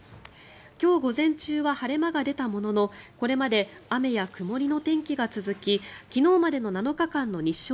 今日午前中は晴れ間が出たもののこれまで雨や曇りの天気が続き昨日までの７日間の日照